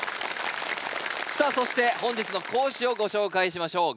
さあそして本日の講師をご紹介しましょう。